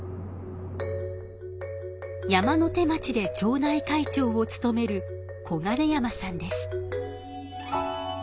山ノ手町で町内会長をつとめる小金山さんです。